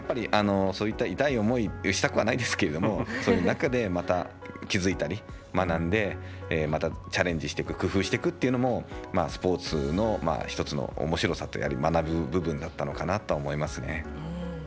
そういった痛い思いしたくはないですけどそういう中でまた気づいたり学んでまたチャレンジしていく工夫していくというのもスポーツの１つのおもしろさであり学ぶ部分だったのかなと思いますよね。